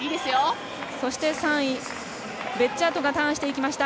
そして３位、ベッジャートがターンしていきました。